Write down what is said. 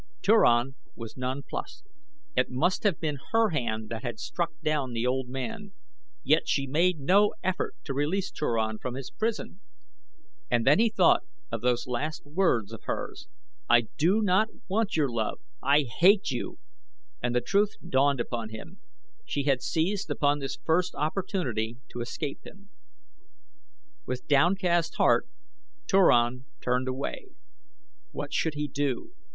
Turan was nonplussed. It must have been her hand that had struck down the old man, yet she had made no effort to release Turan from his prison. And then he thought of those last words of hers: "I do not want your love! I hate you," and the truth dawned upon him she had seized upon this first opportunity to escape him. With downcast heart Turan turned away. What should he do?